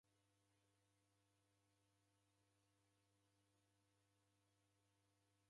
Mwazerwa mw'unje fuw'a ra w'andu,